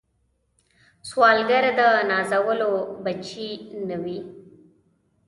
سوالګر د نازولو بچي نه وي